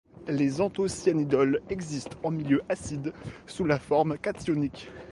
Les anthocyanidols existent en milieu acide sous la forme cationique.